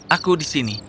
aku di sini